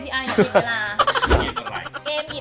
เพราะว่าเวลาเล่นกันเป็นกลุ่มเนี่ย